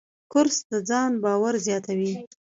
کورس د ځان باور زیاتوي.